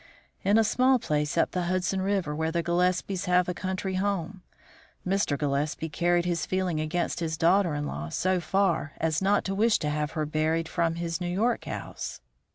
"In a small place up the Hudson River, where the Gillespies have a country home. Mr. Gillespie carried his feeling against his daughter in law so far as not to wish to have her buried from his New York house."